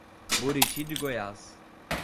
Buriti de Goiás